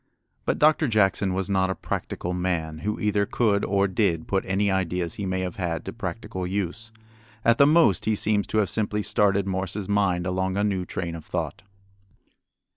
But Doctor Jackson was not a practical man who either could or did put any ideas he may have had to practical use. At the most he seems to have simply started Morse's mind along a new train of thought.